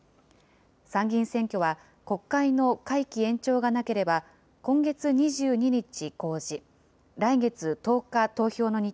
参議院選挙は、国会の会期延長がなければ今月２２日公示、来月１０日